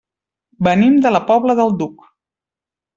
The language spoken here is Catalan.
Venim de la Pobla del Duc.